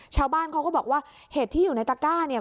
ชาวบ้านเขาก็บอกว่าเห็ดที่อยู่ในตะก้าเนี่ย